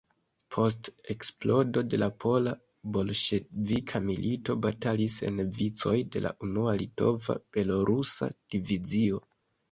Post eksplodo de la pola-bolŝevika milito batalis en vicoj de la unua Litova-Belorusa Divizio.